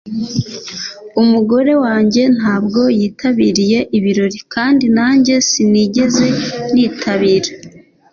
Umugore wanjye ntabwo yitabiriye ibirori kandi nanjye sinigeze nitabira